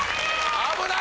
危ない！